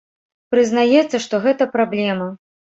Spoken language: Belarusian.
Прызнаецца, што гэта праблема.